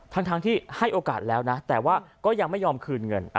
ทั้งที่ให้โอกาสแล้วนะแต่ว่าก็ยังไม่ยอมคืนเงิน